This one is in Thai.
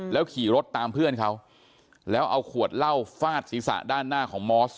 ขี่รถตามเพื่อนเขาแล้วเอาขวดเหล้าฟาดศีรษะด้านหน้าของมอส